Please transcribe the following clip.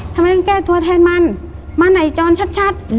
ทำไมต้องแก้ตัวแทนมันมาไหนจรชัด